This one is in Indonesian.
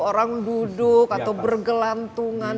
orang duduk atau bergelantungan